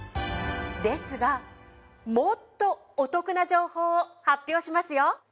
ですがもっとお得な情報を発表しますよ。